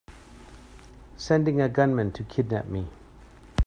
Sending a gunman to kidnap me!